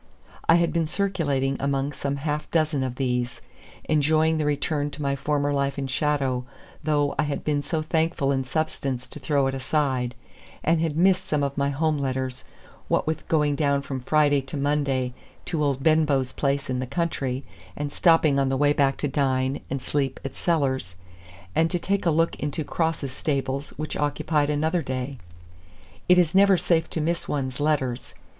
I had been circulating among some half dozen of these, enjoying the return to my former life in shadow, though I had been so thankful in substance to throw it aside, and had missed some of my home letters, what with going down from Friday to Monday to old Benbow's place in the country, and stopping on the way back to dine and sleep at Sellar's and to take a look into Cross's stables, which occupied another day. It is never safe to miss one's letters.